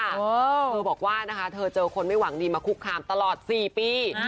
เธอบอกว่านะคะเธอเจอคนไม่หวังดีมาคุกคามตลอด๔ปี